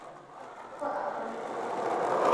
هو أقرب.